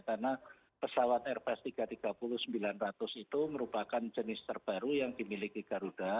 karena pesawat airbus tiga ratus tiga puluh sembilan ratus itu merupakan jenis terbaru yang dimiliki garuda